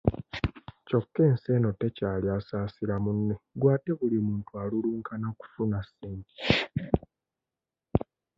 Kyokka ensi eno tekyali asaasira munne gwe ate buli muntu alulunkana kufuna ssente.